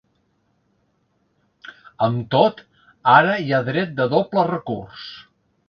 Amb tot, ara hi ha dret de doble recurs.